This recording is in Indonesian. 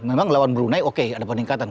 memang lawan brunei oke ada peningkatan